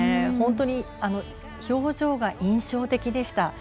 本当に表情が印象的でした。